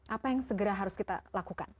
apa yang segera harus kita lakukan